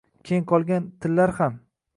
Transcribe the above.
Keyin qolgan tillar ham